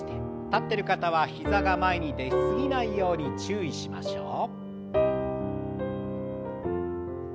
立ってる方は膝が前に出過ぎないように注意しましょう。